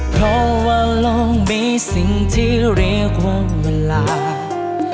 เพราะว่าลองมีสิ่งที่เรียกความเวลา